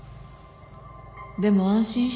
でも安心して